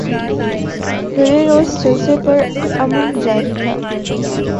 گلے روز جلسہ پر امن جاری تھا